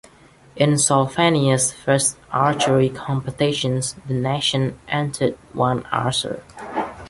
In Slovenia's first archery competition, the nation entered one archer.